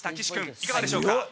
岸君いかがでしょうか？